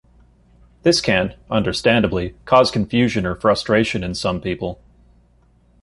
This can, understandably, cause confusion or frustration in some people.